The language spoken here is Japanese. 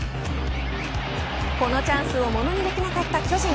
このチャンスをものにできなかった巨人。